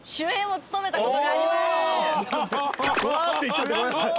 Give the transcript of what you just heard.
「わ」って言っちゃってごめんなさい。